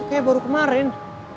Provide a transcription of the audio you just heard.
itu kayak baru kemarin